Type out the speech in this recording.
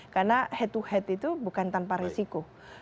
karena head to head itu bukan tanpa resiko